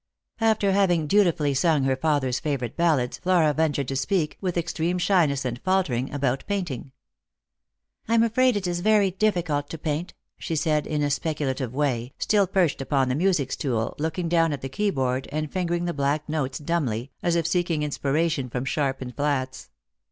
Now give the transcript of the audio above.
After having dutifully sung her father's favourite ballads, Flora, ventured to speak, with extreme shyness and faltering, about painting. " I'm afraid it is very difficult to paint," she said, in a specu lative way, still perched upon the music stool, looking down at the keyboard and fingering the black notes dumbly, as if seeking inspiration from sharp and flats.